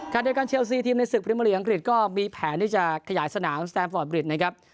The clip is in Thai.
เดียวกันเชลซีทีมในศึกพรีเมอร์ลีกอังกฤษก็มีแผนที่จะขยายสนามสแตมฟอร์ดบริดนะครับ